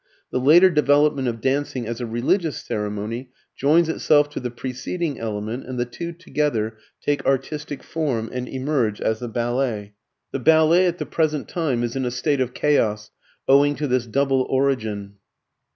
The later development of dancing as a religious ceremony joins itself to the preceding element and the two together take artistic form and emerge as the ballet. The ballet at the present time is in a state of chaos owing to this double origin.